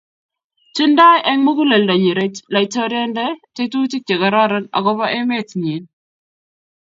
tingdoi eng' muguleldonyi laitoriande tetutik che kororon akobo emet nyin